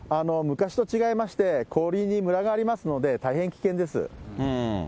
昔と違いまして、氷にむらがありますので、大変危険です。